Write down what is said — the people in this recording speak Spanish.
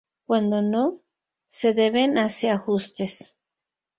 Cuando no, se deben hace ajustes.